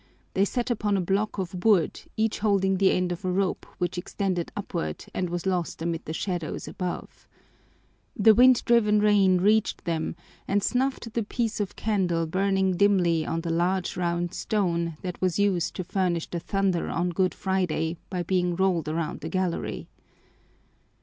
They sat upon a block of wood, each holding the end of a rope which extended upward and was lost amid the shadows above. The wind driven rain reached them and snuffed the piece of candle burning dimly on the large round stone that was used to furnish the thunder on Good Friday by being rolled around the gallery.